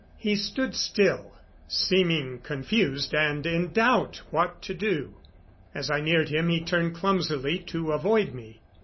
He stood still, seeming confused and in doubt what to do. As I neared him he turned clumsily to avoid me.